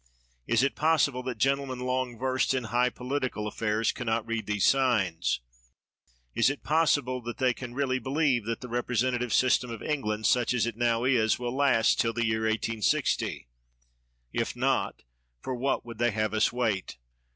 Is it possible that gentlemen long versed 134 MACAULAY in high political affairs can not read these signs ? Is it possible that they can really believe that the representative system of England, such as it now is, will last till the year 1860? If not, for what would they have us wait